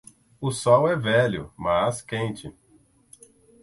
O sol é velho, mas quente.